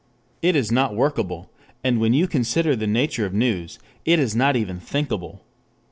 It is not workable. And when you consider the nature of news, it is not even thinkable.